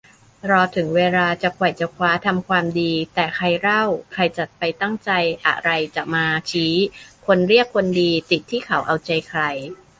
รอถึงเวลาจะไขว่จะคว้าทำความดี แต่ใครเล่าใครจะไปตั้งใจอะไรจะมาชี้ คนเรียกคนดี ติดที่เขาเอาใจใคร